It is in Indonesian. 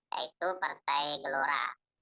yaitu partai gelora